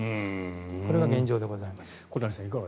これが現状でございます。